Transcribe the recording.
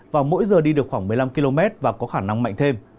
và mỗi giờ đi được khoảng một mươi năm km và có khả năng mạnh thêm